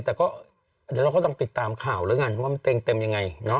แต่ก็เดี๋ยวเราก็ต้องติดตามข่าวแล้วกันว่ามันเต็งเต็มยังไง